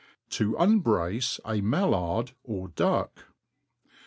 To unbrace a Mallard or Duck.